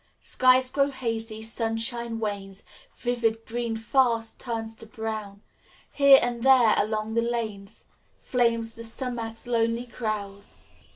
Skies grow hazy; sunshine wanes, Vivid green fast turns to brown; Here and there along the lanes, Flames the sumac's lonely crown.